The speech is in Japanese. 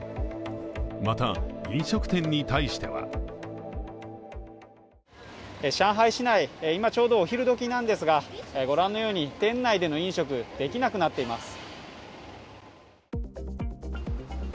また、飲食店に対しては上海市内、今ちょうどお昼どきなんですが、御覧のように店内での飲食、できなくなっています。